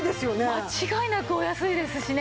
間違いなくお安いですしね。